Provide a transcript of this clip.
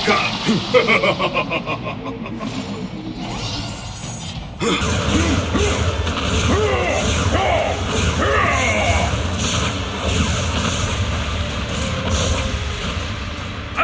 kau bisa karibu leben